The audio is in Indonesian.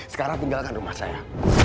sekarang tinggalkan rumah saya